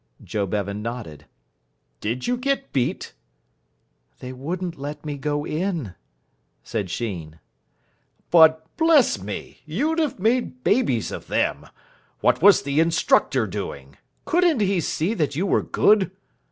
Joe Bevan nodded. "Did you get beat?" "They wouldn't let me go in," said Sheen. "But, bless me! you'd have made babies of them. What was the instructor doing? Couldn't he see that you were good?"